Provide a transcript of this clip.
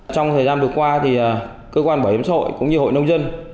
trong thời gian vừa qua cơ quan bảo hiểm xã hội cũng như hội nông dân